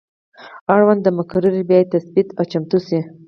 اړونده مقررې باید تثبیت او چمتو شي.